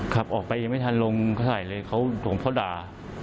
ครับออกไปยังไม่ทันลงเท่าไหร่เลยเขาเขาด่า